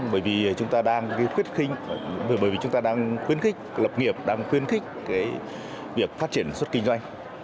bởi vì chúng ta đang khuyến khích lập nghiệp đang khuyến khích việc phát triển suất kinh doanh